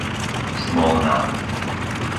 Smolná